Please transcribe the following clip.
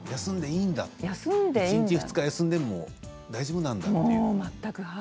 １日、２日休んでも大丈夫なんだって。